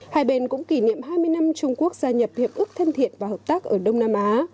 hai bên cũng kỷ niệm hai mươi năm trung quốc gia nhập hiệp ước thân thiện và hợp tác ở đông nam á